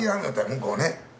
向こうね。